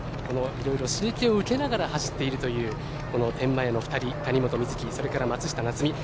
いろいろ刺激を受けながら走っているというこの天満屋の２人谷本観月、それから松下菜摘。